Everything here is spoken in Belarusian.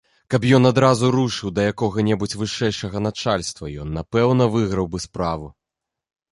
Каб ён адразу рушыў да якога небудзь вышэйшага начальства, ён напэўна выграў бы справу.